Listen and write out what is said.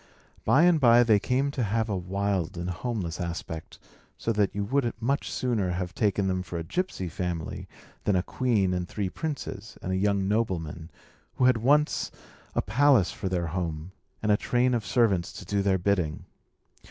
By and by they came to have a wild and homeless aspect; so that you would much sooner have taken them for a gypsy family than a queen and three princes, and a young nobleman, who had once a palace for their home, and a train of servants to do their bidding.